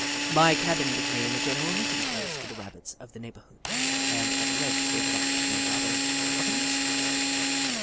My cabin became a general meeting place for the Rabbits of the neighbourhood, and at length they got to be rather of a nuisance.